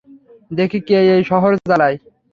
দেখি কে এই শহর জ্বালায়!